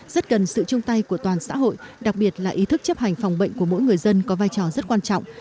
rất cần sự chung tay của toàn xã hội đặc biệt là ý thức chấp hành phòng bệnh của mỗi người dân có vai trò rất quan trọng